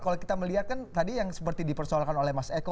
kalau kita melihat kan tadi yang seperti dipersoalkan oleh mas eko